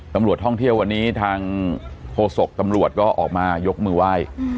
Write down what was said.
ตำรวจท่องเที่ยววันนี้ทางโฆษกตำรวจก็ออกมายกมือไหว้